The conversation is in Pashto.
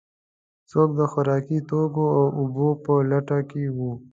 څوک د خوراکي توکو او اوبو په لټه کې و.